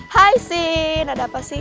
hai sini ada apa sih